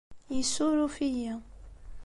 Yessuruf-iyi.